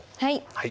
はい。